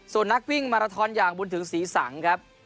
ส่วนนักวิ่งมาราทอนอย่างบุญถึงศรีสังครับ